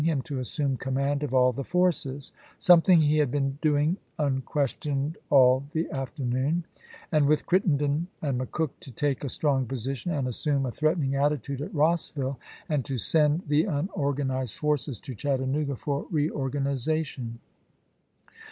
him to assume command of aU the forces — some thing he had been doing unquestioned all the after noon— and with Crittenden and McCook to take a strong position and assume a threatening attitude at Ross\ille, and to send the unorganized forces to Chattanooga for reorganization.